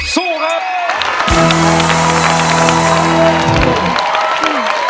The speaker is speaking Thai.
สู้ครับ